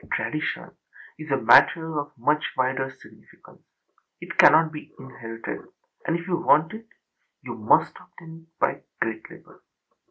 Tradition is a matter of much wider significance. It cannot be inherited, and if you want it you must obtain it by great labour.